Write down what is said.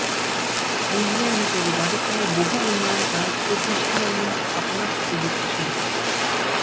Engineer হিসেবে পাকিস্তানের বহু উন্নয়ন কাজ ও দৃষ্টিনন্দন স্থাপনার সাথে যুক্ত ছিলেন।